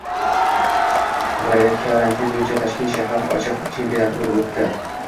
Qibrayda karting bo‘yicha Toshkent shahar ochiq chempionati bo‘lib o‘tding